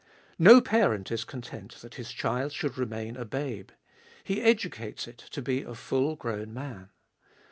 No parent is content that his child should remain a babe ; he educates it to be a full grown man.